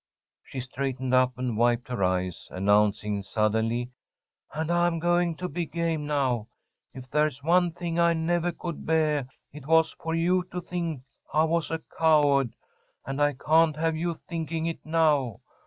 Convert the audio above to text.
She straightened up and wiped her eyes, announcing suddenly: "And I'm going to be game now. If there's one thing I nevah could beah, it was for you to think I was a coward, and I can't have you thinking it now.